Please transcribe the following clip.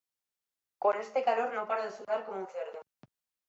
Con este calor no paro de sudar como un cerdo